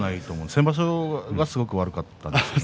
先場所はすごく悪かったですね。